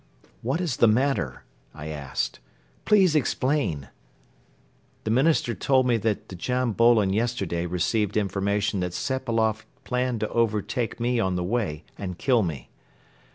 "What is the matter?" I asked. "Please explain!" The Minister told me that Djam Bolon yesterday received information that Sepailoff planned to overtake me on the way and kill me.